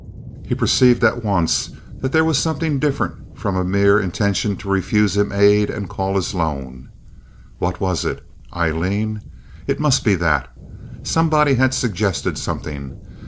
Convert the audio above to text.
He perceived at once that here was something different from a mere intention to refuse him aid and call his loan. What was it? Aileen? It must be that. Somebody had suggested something.